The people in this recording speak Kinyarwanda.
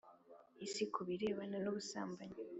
isi ku birebana n ubusambanyi